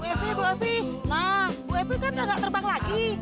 bu efi bu efi nah bu efi kan ga terbang lagi